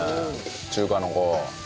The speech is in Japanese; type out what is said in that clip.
中華の子。